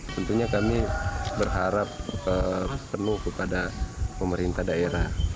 tentunya kami berharap penuh kepada pemerintah daerah